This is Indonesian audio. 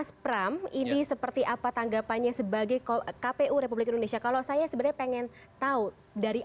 jam tiga baru benar benar